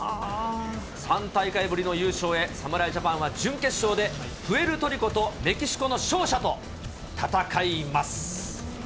３大会ぶりの優勝へ、侍ジャパンは準決勝で、プエルトリコとメキシコの勝者と戦います。